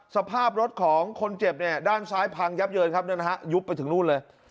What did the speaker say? สภาพรถของคนเจ็บเนี่ยด้านซ้ายพังยับเยินครับยุบไปถึงนู่นเลย